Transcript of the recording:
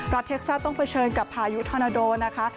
รัฐเท็กซัตริย์ต้องเผชิญกับพายุธนโดนะคะ